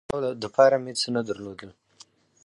د خرڅلاو دپاره مې څه نه درلودل